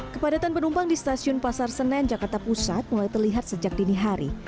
kepadatan penumpang di stasiun pasar senen jakarta pusat mulai terlihat sejak dini hari